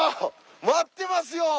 待ってますよ！